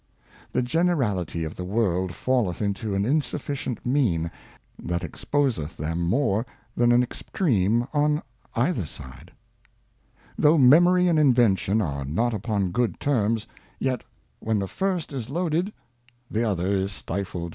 The generality of the World falleth into an insufficient Mean that exposeth them more than an Extreme on either Side. THOUGH Memory and Invention are not upon good Terms, Faculties vet when the first is loaded, the other is stifled. C'*f •'